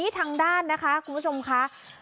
ทางด้านนะคะคุณผู้ชมค่ะ